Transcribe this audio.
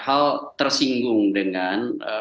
hal tersinggung dengan